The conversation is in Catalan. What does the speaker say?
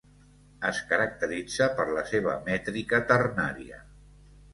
Es caracteritza per la seva mètrica ternària.